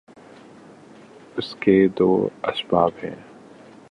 اس کے دو اسباب ہیں۔